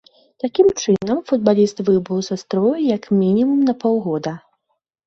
Такім чынам, футбаліст выбыў са строю як мінімум на паўгода.